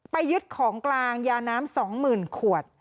ยึดของกลางยาน้ำ๒๐๐๐ขวด